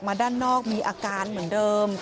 หมาก็เห่าตลอดคืนเลยเหมือนมีผีจริง